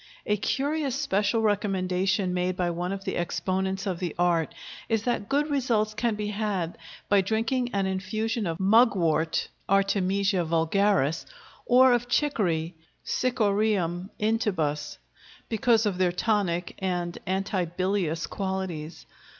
A curious special recommendation made by one of the exponents of the art is that good results can be had by drinking an infusion of mugwort (Artemisia vulgaris), or of chicory (Cichorium intybus), because of their tonic and antibilious qualities.